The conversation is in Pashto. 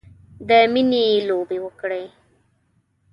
د میینې لوبې وکړې